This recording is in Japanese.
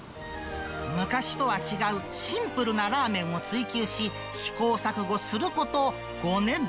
昔とは違うシンプルなラーメンを追求し、試行錯誤すること５年。